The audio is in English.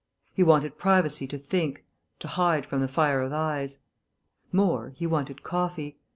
He wanted privacy to think, to hide from the fire of eyes. More, he wanted coffee.